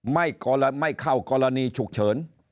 ไม่เข้ากรณีฉุกเฉิน